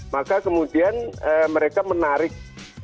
maka kemudian mereka menarik